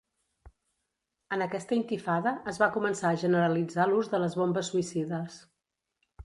En aquesta intifada, es va començar a generalitzar l'ús de les bombes suïcides.